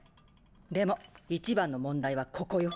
でも一番の問題はココよ。